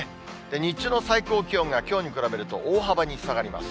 日中の最高気温がきょうに比べると大幅に下がります。